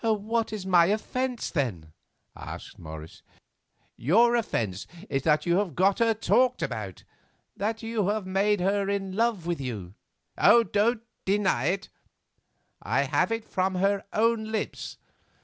"What is my offence, then?" asked Morris. "Your offence is that you have got her talked about; that you have made her in love with you—don't deny it; I have it from her own lips.